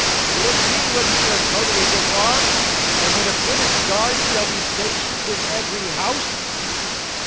Will it be when we are totally disarmed, and when a British guard shall be stationed in every house?